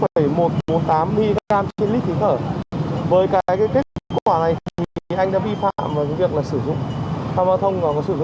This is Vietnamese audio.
có một chút xíu thì nghĩ là đi làm thôi sử dụng